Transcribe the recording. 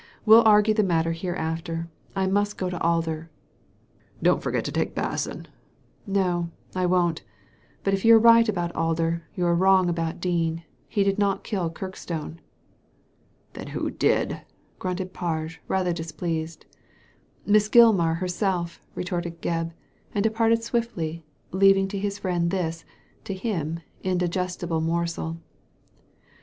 We'll argue the matter hereafter. I must go to Alder." " Don't forget to take Basson !" "No, I won't But if you are right about Alder^ Digitized by Google HOW THE DEED WAS DONE 257 you are wrong about Dean ; he did not kill Kirk stone" " Then who did ?" grunted Parge, rather displeased. Miss Gilmar herself!" retorted Gebb, and de parted swiftly, leaving to his friend this — to him — indigestible morsel.